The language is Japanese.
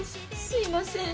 すいません